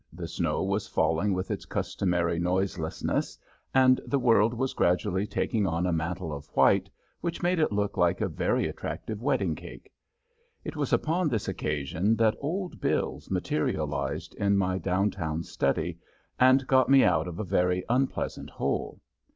The snow was falling with its customary noiselessness, and the world was gradually taking on a mantle of white which made it look like a very attractive wedding cake. It was upon this occasion that Old Bills materialized in my down town study and got me out of a very unpleasant hole.